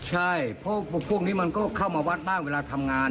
ใช่เพราะพวกนี้มันก็เข้ามาวัดบ้างเวลาทำงาน